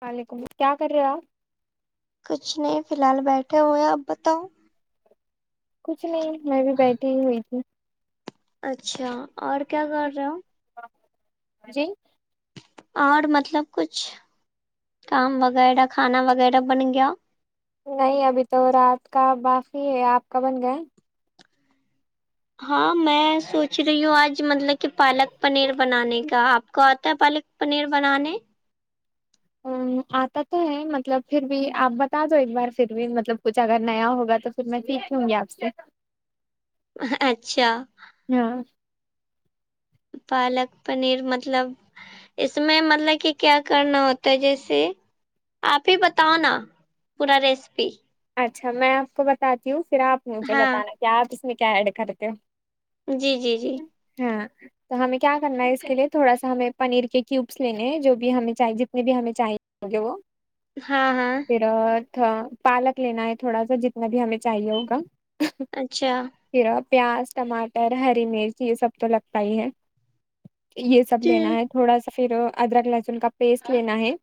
وعلیکم کیا کر رہے آپ کچھ نہیں فی الحال بیٹھے ہوئے ہیں آپ بتاؤ کچھ نہیں میں بھی بیٹھی ہوئی تھی اچھا اور کیا کر رہے ہو جی اور مطلب کچھ کام وغیرہ کھانا وغیرہ بن گیا نہیں ابھی تو رات کا بافی ہے آپ کا بن گۓ ہاں میں سوچ رہی ہوں آج مطک کہ پالک پنیر بنانے کا آپ کو آتا ہے پالک پنیر بنانے ہ آتا تو ہے مطلب پھر بھی آپ بتا دو ایک بار پھر بھی مطلب کچھ اگر نیا ہوگا تو پھر میں سکھونگی گی آپ سے اچھا ہاں پالک پنیر مطلب اس میں مطلک کہ کیا کرنا ہوتا ہے جیسے آپ ہی بتاؤ نا پورا ریسیپی اچھا میں آپ کو بتاتی ہوں پھر آپ مجھے ہاں بتانا کہ کیا آپ اس میں کیا ایڈ کرتے ہو جی جی جی ہوں تو ہمیں کیا کرنا ہے اس کے لیے تھوڑا سا ہمیں پنیر کے کیوبس لینے ہیں جو بھی ہمیں چاہیے جتنے بھی ہمیں چاہیے ہوں گے وہ ہاں ہاں پالک لینا ہے تھوڑا سا جتنا بھی ہمیں چاہیے ہوگا اچھا پھر پیاز ٹماٹر ہری مرچ یہ سب تو لگتا ہی ہے یہ سب جی لینا ہے تھوڑا سا پھر ادرک لہسن کا پیسٹ لینا ہے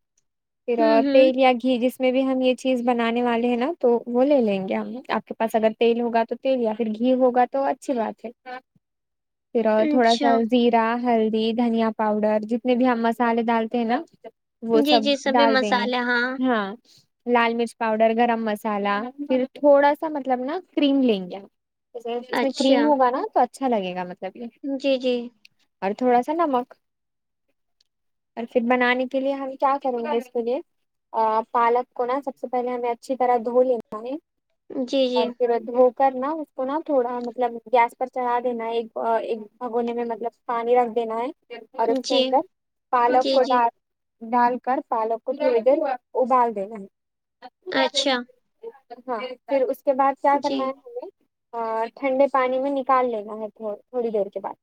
پھر ہوں ہوں تیل یا گھی جس میں بھی ہم یہ چیز بنانے والے ہیں نا تو وہ لے لیں گے ہم آپ کے پاس اگر تیل ہوگا تو تیل یا پھر گھی ہوگا تو اچھی بات ہے پھر اور تھوڑا سا اچھا زیر ا ہلدی دھنیا پاؤڈر جتنے بھی ہم مسالے ڈالتے ہیں نا وہ جی سب جی سبھی ڈال دیں گے مسالے ہاں لال مرچ پاؤڈر گرم مسالہ پھر تھوڑا سا مطلب نا کریم لیں گے آپ ج اس میں اچھا کریم ہوگا نا تو اچھا لگے گا مطلب یہ جی جی اور تھوڑا سا نمک اور پھر بنانے کے لیے ہم کیا کریں گے اس کے لیے پالک کو نا سب سے پہلے ہمیں اچھی طرح دھو لینا ہے جی اور جی پھر دھو کرنا اس کو نا تھوڑا مطلب گیس پر چڑھا دینا ایک ایک بھاگونے میں مطلب پانی رکھ دینا ہے اور اس کے جی اندر پالک جی کو جی ڈال ڈال کر پالک کو تھوڑی دیر ابال دینا ہے اچھا ہاں پھر اس کے بعد کیا جی کرنا ہے ہمیں ٹھنڈے پانی میں نکال لینا ہے تھوڑی دیر کے بعد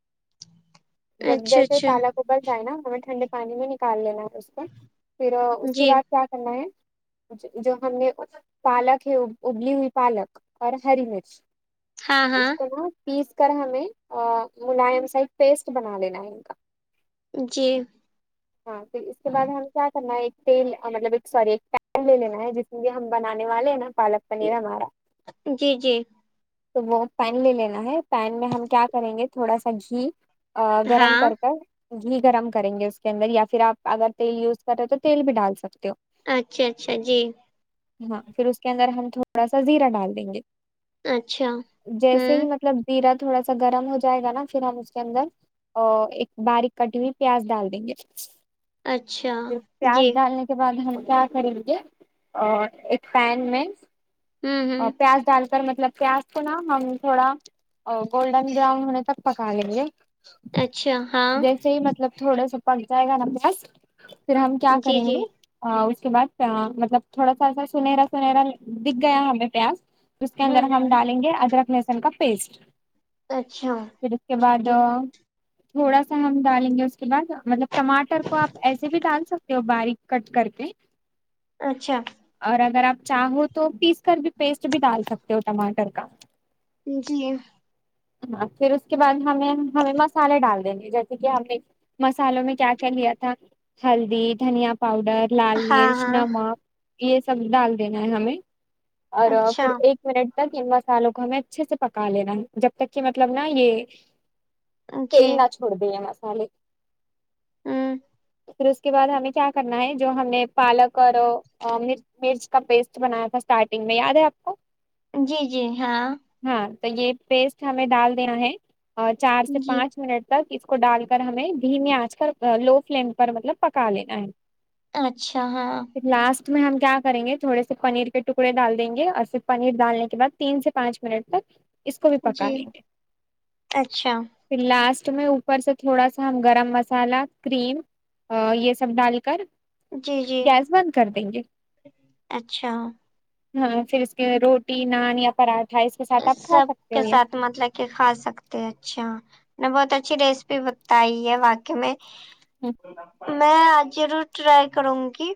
جب اچھا جیسے اچھا پالا گ ابل جائے نا ہمیں ٹھنڈے پانی میں نکال لینا ہے اس کو پھر اس کے جی بعد کیا کرنا ہے جو ہم نے پالک ہے ابلی ہوئی پالک اور ہری مرچ ہاں اس ہاں کا نام پیس کر ہمیں ملائم سائڈ پیسٹ بنا لینا ہے ان جی ہاں پھر اس کے بعد ہمیں کیا کرنا ہے ایک تٹیل مطلب ایک سوری ایک ٹر لے لینا ہے جس میں کہ ہم بنانے والے ہیں نا پالک پنیر ہمارا جی جی تو وہ پین لے لینا ہے پین میں ہم کیا کریں گے تھوڑا سا گھی ا گرم ہاں کر کر گھی گرم کریں گے اس کے اندر یا پھر آپ اگر تیل یوز کر رہے ہو تو تیل بھی ڈال سکتے ہو اچھا اچھا جی ہاں پھر اس کے اندر ہم تھوڑا سا زیرا ڈال دیں گے اچھا جیسے ہی ہوں مطلب مطلب زیرہ تھوڑا سا گرم ہو جائے گا نا پھر ہم اس کے اندر اور ایک باریک کٹی ہوئی پیاز ڈال دیں گے اچھا پیاز جی ڈالنے کے اس کے بعد ہم کیا کریں گے اور ایک پین میں ہوں ہوں پیاز ڈال کر مطلب پیاز اس کو نا ہم تھوڑا گولڈن براؤن ہونے تک پکا لیں گے اچھا ہاں جیسے ہی مطلب تھوڑا سا پک جائے گا نا پیاس پھر ہم کیا جی کریں جی گے ا اس کے بعدا مطلب تھوڑا سا ایسا سنہرا سنہرا دیکھ گیا ہمیں پیاس اس کے ہوں اندر ہم ہوں ڈالیں گے ادرک لسن کا پیسٹ اچھا پھر اس کے بعد جی تھوڑا سا ہم ڈالیں گے اس کے بعد مطلب ٹماٹر کو آپ ایسے بھی ڈال سکتے ہو باریک کٹ کر کے اچھا اور اگر آپ چاہو تو پیس کر بھی پیسٹ بھی ڈال سکتے ہو ٹماٹر کا جی ہاں پھر اس کے بعد ہمیں ہمیں مسالے ڈال دینے جیسے کہ ہمیں مسالوں میں کیا کیا لیا تھا ہلدی دھنیا پاؤڈر لال ہاں مرچ ہاں نمک یہ سب ڈال دینا ہے ہمیں اور اچھا پھر ایک منٹ تک ان مسالوں کو ہمیں اچھے سے پکا لینا جب تک کہ مطلب نا یہ تیل جی نہ چھوڑ دیے یہ مسالے ہوں پھر اس کے بعد ہمیں کیا کرنا ہے جو ہم نے پالک اور اور مرچ کا پیسٹ بنایا تھا اسٹارٹنگ میں یاد ہے آپ کو جی جی ہاں ہاں تو یہ پیسٹ ہمیں ڈال دینا ہے اور چار سے جی پانچ منٹ تک اس کو ڈال کر ہمیں دھیمی آچ کر لو فلئم پر مطلب پکا لینا ہے اچھا ہاں لاسٹ اس میں ہم کیا کریں گے تھوڑے سے پنیر کے ٹکڑے ڈال دیں گے اور فیر پنیر ڈالنے کے باد تین سے پانچ منٹ تک اس کو بھی پکا جی لیں گے اچھا پھر لاسٹ میں اوپر سے تھوڑا سا ہم گرم مسالہ کریم ا یہ سب ڈال کر جی جی گیس بند کر دیں گے اچھا ہاں پھر اس کے روٹی نان یا پراٹھا اس کے ساتھ آپ کھا سب سکتے ہو کے یہ ساتھ مطلب کہ کھا سکتے اچھا میں بہت اچھی ریسپی بتائی ہے واقع میں میں آج ضرور ٹرائی کروں گی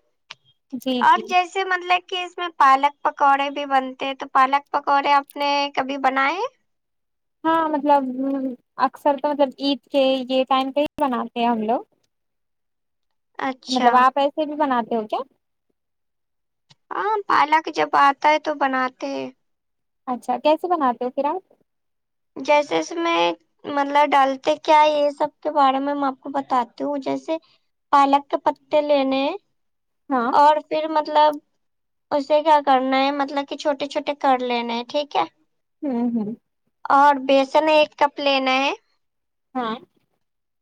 جی اور جی جیسے چہ مطلب کہ اس میں پالک پکوڑے بھی بنتے ہیں تو پالک پکوڑے آپ اپ نے کبھی بنائے ہے ہاں مطلب اکثر توجب عید کے یہ ٹائم پہ ہی بناتے ہیں ہم لوگ اچھا مطلب آپ ایسے بھی بناتے ہو کیا ہاں پالک جب آتا ہے تو بناتے اچھا کیسے بناتے ہو پھر اپ جیسے اس میں مطلب ڈالتے کیا یہ سب کے بارے میں آپ کو بتاتی ہوں جیسے پالک کے پتے لینے ہے ہاں اور پھر مطلب اسے کیا کرنا ہے مطلب کہ چھوٹے چھوٹے کر لینے ہیں ٹھیک ہے ھمم ھمم اور بیسن ایک کپ لینا ہے ہاں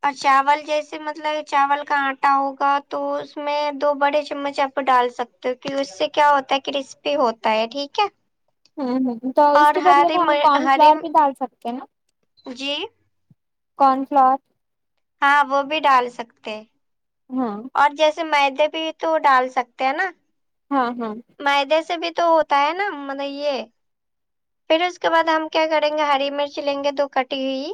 اور چاول جیسے مطلب چاول کا آٹا ہوگا تو اس میں دو بڑے چمچ آپ ڈال سکتے تے پھر اس سے کیا ہوتا ہے کرسپی ہوتا ہے ٹھیک ہے ھمم ھمم تو اس اور کے بدلے ہری میں ہم کن ہری فلاور بھی ڈال سکتے ہیں نہ جی کارن فلاور ہاں وہ بھی ڈال سکتے ہاں اور جیسے مدے بھی تو ڈال سکتے ہیں نہ ہاں ہاں معدے سے بھی تو ہوتا ہے نہ مطلب یہ پھر اس کے بعد ہم کیا کریں گے ہری مرچ لیں گے دو کٹی ہوئی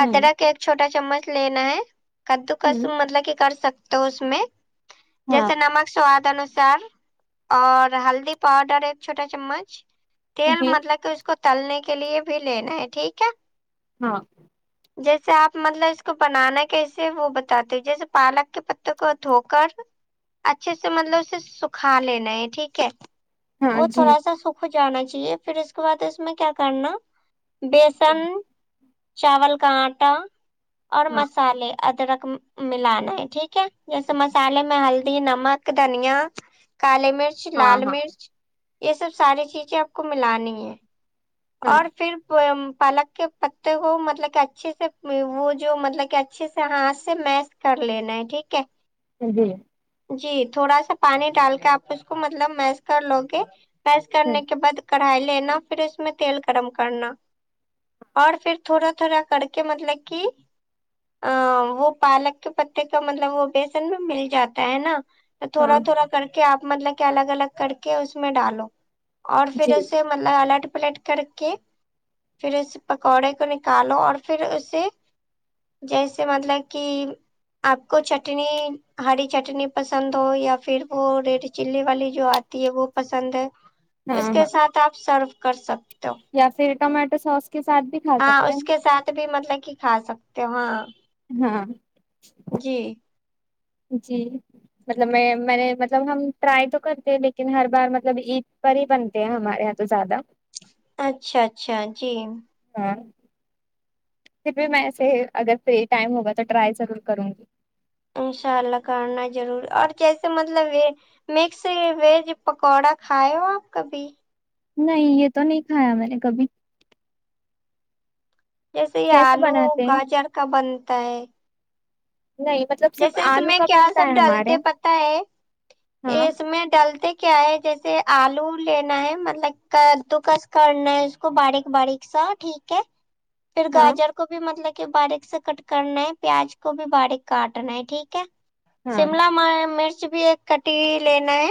ہوں ادرک کا ایک چھوٹا چمچ لینا ہے کدو کرش ہوں مطلب کہ کر سک تو اس میں ہاں جیسے نمک سواد انوسار اور ہلدی پاؤڈر ایک چھوٹا چمچ تیل جی مطلب کہ اس کو تلنے کے لیے بھی لینا ہے ٹھیک ہے ہاں جیسے آپ مطلب اس کو بنانا کیسے وہ بتاتے ہو جیسے پالک کے پتےوں کو دھو کر اچھے سے مطلب اسے سکھا لینا ہے ٹھیک ہے ہاں وہ جی تھوڑا سا سکھ کو جانا چاہیے پھر اس کے بعد اس میں کیا کرنا بیسن چاول کا آٹا اور ہاں مسالے ادرک ملانا ہے ٹھیک ہے جیسے مسالے میں ہلدی نمک دھنیا کالی مرچ ہاں لال ہاں مرچ یہ سب ساری چیزیں آپ کو ملانی ہے ہاں اور پھر وہ پالک کے پتے کو مطلب کہ اچھے سے وہ جو مطلب کہ اچھے سے ہاتھ سے میش کر لینا ہے ٹھیک ہے ج جی جی تھوڑا سا پانی ڈال کے آپ اس کو مطلب میس کر لو گے میس ہ کرنے کے بعد کڑھائی لینا پھر اس میں تیل گرم کرنا اور پھر تھوڑا تھوڑا کر کے مطلب کہ ا وہ پالک کے پتے کا مطلب وہ بیسن میں مل جاتا ہے نا تھوڑا ہاں تھوڑا کر کے آپ مطلب کہ الگ الگ کر کے اس میں ڈالو اور جی پھر اسے مطلب آلٹ پلیٹ کر کے پھر اس پکوڑے کو نکالو اور پھر اسے جیسے مطلب کہ آپ کو چٹنی ہری چٹنی پسند ہو یا پھر وہ ریڈ چلی والی جو آتی ہے وہ پسند ہے اس ہاں کے ہاں ساتھ آپ سرو کر سکتے ہو یا پھر ٹمیاٹو سوس کے ساتھ بھی کھا ہاں سکتے اس کے ہیں ساتھ بھی مطلب کہ کھا سکتے ہو ہاں ہاں جی جی مطلب میں میں نے مطلب ہم ٹرائی تو کرتے لیکن ہر بار مطلب عید پر ہی بن ت ہے ہمارے یہاں تو زیادہ اچھا اچھا جی ہاں پھر بھی میں ایسے اگر فری ٹائم ہوگا تو ٹرائی ضرور کروں گی انشاء اللہ کرنا ضرور اور جیسے مطلب یہ مکس یہ ویج پکوڑا کھائے ہو آپ کبھی نہیں یہ تو نہیں کھایا میں نے کبھی جیسے یہ کیسے آلو بناتے ہیں گاجر کا بنتا ہے نہیں مت جیسے اس میں کیا سب ڈلتے پتہ ہے یہاں۔ اس میں ڈلتے کیا ہے جیسے آلو لینا ہے مطلب کدو کس کرنا ہے اس کو باریک باریک سا ٹھیک کے پھر ہاں گاجر کو بھی مطلب کہ باریک سے کٹ کرنا ہے پیاز کو بھی باریک کاٹنا ہے ٹھیک ہے ہاں شملہ مرچ بھی ایک کٹیی ہوی لینا ہے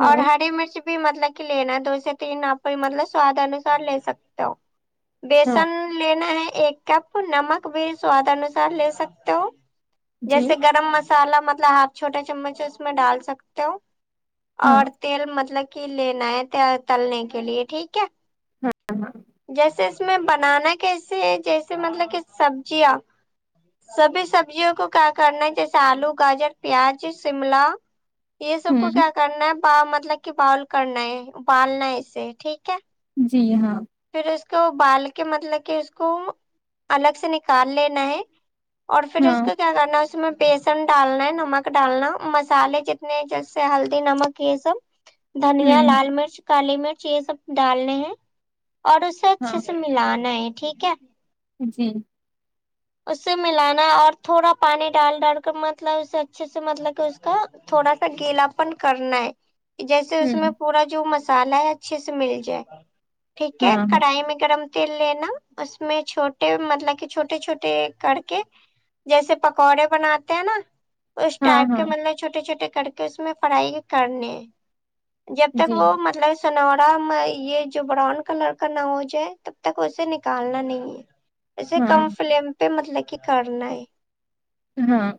ہاں اور ہاں ہری مرچ بھی مطلب کہ لینا دو سے تین آپ مطلب سواد انوسار لے سکتے ہو ہاں بیسن لینا ہے ایک کپ نمک بھی سواد انوسار لے سکتے ہو جی جیسے گرم مسالا مطلب ہاف چھوٹا چمچ اس میں ڈال سکتے ہو ہاں اور تیل مطلب کہ لینا ہے تے تلنے کے لیے ٹھیک ہے ہاں جیسے اس میں بنانا کیسے ہے جیسے مطلب کہ سبزیاں سبھی سب سبزیوں کو کیا کرنا ہے جیسے آلو گاجر پیاز شملہ یہ سب کو ہوں کیا کرنا ہے ب مطلب کہ باول کرنا ہے اوبالنا ہے اسے ٹھیک ہے جی ہاں پھر اس کو اوبال کے مطلب کہ اس کو الگ سے نکال لینا ہے اور پھر اس ہاں کو کیا کرنا ہے اس میں بیسن ڈالنا ہے نمک ڈالنا مسالے جتنے جیسے ہلدی نمک یہ سب دھنیا ہوں ہ لال مرچ کالی مرچ یہ سب ڈالنے ہیں اور اسے اچھے ہاں سے ملانا ہے ٹھیک ہے جی اس سے ملانا اور تھوڑا پانی ڈال ڈال کر مطلب اسے اچھے سے مطلب کہ اس کا تھوڑا سا گیلا پن کرنا ہے جیسے اس میں ہوں پورا جو مسالہ ہے اچھے سے مل جائے ٹھیک ہے ہاں ہاں کڑھائی میں گرم تیل لینا اس میں چھوٹے مطلب کہ چھوٹے چھوٹے کر کے جیسے پکوڑے بناتے ہیں نا اس ہاں ٹائپ کے ہاں مطلب چھوٹے چھوٹے کر کے اس میں فرائی کرنے جب تک جی وہ مطلب سنورا یہ جو براؤن کلر کا نہ ہو جائے تب تک اسے نکالنا نہیں ہے اسے ہاں کم فلیم پہ مطلب کہ کرنا ہے ہاں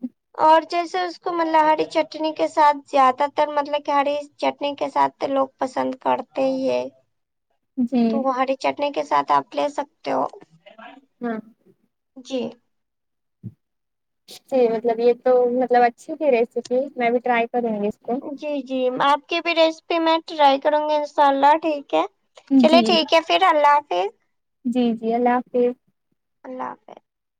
اور جیسے اس کو مطب ہری چٹنی کے ساتھ زیادہ تر مطلب کہ ہری چٹنی کے ساتھ لوگ پسند کرتے ہی جی تو وہ ہری چٹنی کے ساتھ آپ لے سکتے ہو ہاں جی جی مطلب یہ تو مطلب اچھی تھی ریسیپی میں بھی ٹرائی کروں گی اس کو جی جی آپ کی بھی ریسیپی میں ٹرائی کروں گی انشاء اللہ ٹھیک ہے چلے جی ٹھیک ہے پھر اللہ حافظ جی جی اللہ حافظ اللہ